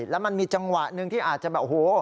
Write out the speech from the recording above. แล้วมันมีจังหวะหนึ่งที่อาจจะแบบโอ้โห